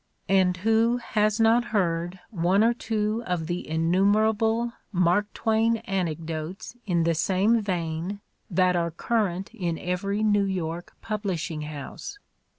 And who has not heard one or two of the innumerable Mark Twain anecdotes in the same vein that are current in every New York publishing house?